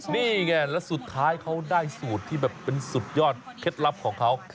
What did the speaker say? นี่ไงแล้วสุดท้ายเขาได้สูตรที่แบบเป็นสุดยอดเคล็ดลับของเขา